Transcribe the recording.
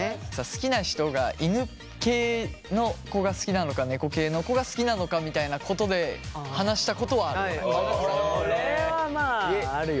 好きな人が犬系の子が好きなのか猫系の子が好きなのかみたいなことで話したことはある。